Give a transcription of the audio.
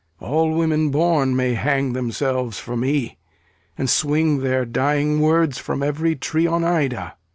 All women born may hang themselves, for me, And swing their dying words from every tree On Ida!